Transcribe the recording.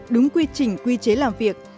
đúng quy trình quy chế làm việc